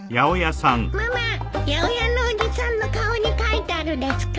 ママ八百屋のおじさんの顔に書いてあるですか？